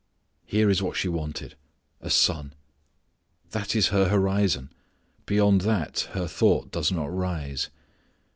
Here is what she wanted: a son. That is her horizon. Beyond that her thought does not rise.